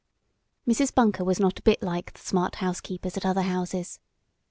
Mrs. Bunker was not a bit like the smart housekeepers at other houses.